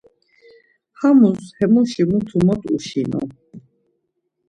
Hamus hemuşi mutu mot uşinom.